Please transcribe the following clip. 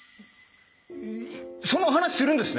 その話するんですね